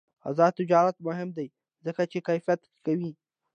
آزاد تجارت مهم دی ځکه چې کیفیت ښه کوي.